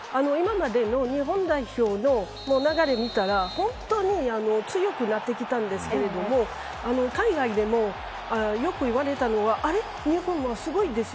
今までの日本代表の流れを見たら本当に強くなってきたんですけれども海外でも、よく言われたのはあれ、日本、すごいですよ。